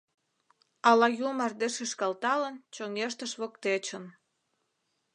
Ала ю мардеж шӱшкалталын чоҥештыш воктечын.